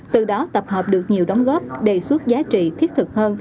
từ đó tập hợp được nhiều đóng góp đề xuất giá trị thiết kế